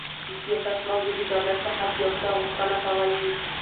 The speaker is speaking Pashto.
د سیاست موضوع د دولت څخه د یو څه غوښتنه کول دي.